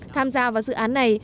tham gia vào dự án này